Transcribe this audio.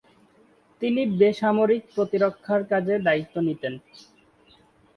তিনি বেসামরিক প্রতিরক্ষা কাজের দায়িত্ব নিতেন।